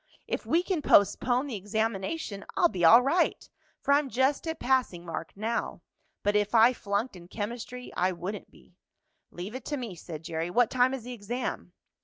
If we can postpone the examination I'll be all right, for I'm just at passing mark now. But if I flunked in chemistry I wouldn't be." "Leave it to me," said Jerry. "What time is the exam?"